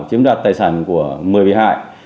chiếm đoạt tài sản của một mươi bị hại